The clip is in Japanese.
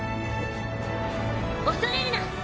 恐れるな！